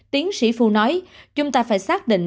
tiến sĩ phu nói chúng ta phải xác định